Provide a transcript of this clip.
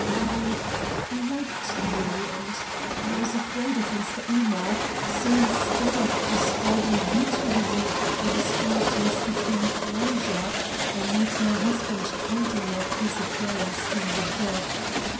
I liked you and was afraid of Mr. Ooma, so instead of describing you to him I described Mr. Hume Frazer from what my husband told me of his appearance in the dock.